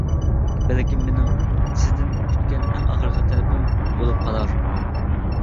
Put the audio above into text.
بەلكىم مېنىڭ سىزدىن كۈتكەن ئەڭ ئاخىرقى تەلىپىم بولۇپ قالار!